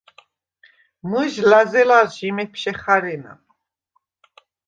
მჷჟ ლა̈ზელალს ჟი მეფშე ხა̈რენა.